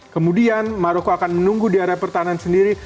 kemudian maroko akan menunggu di area pertahanan sendiri